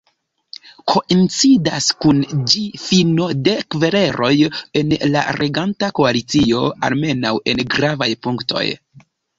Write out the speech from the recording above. Koincidis kun ĝi fino de kvereloj en la reganta koalicio, almenaŭ en gravaj punktoj.